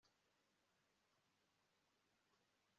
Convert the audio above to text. Kuri ecran kumwanya ibintu byose bizerekanwa